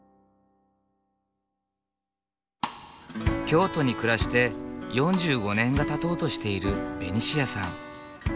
京都に暮らして４５年がたとうとしているベニシアさん。